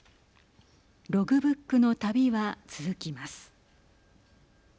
ログブックの旅は続きます。